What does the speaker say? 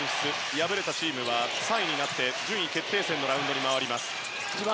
敗れたチームは３位になって順位決定戦のラウンドへ。